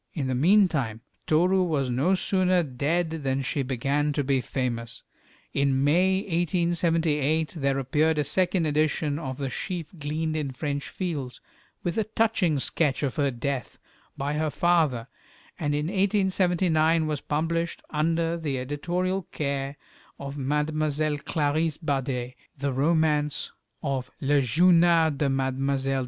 In the meantime Toru was no sooner dead than she began to be famous. In May, 1878, there appeared a second edition of the "Sheaf gleaned in French Fields," with a touching sketch of her death, by her father; and in 1879 was published, under the editorial care of Mlle. Clarisse Bader, the romance of "Le Journal de Mlle.